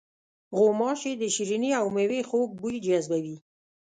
غوماشې د شریني او میوې خوږ بوی جذبوي.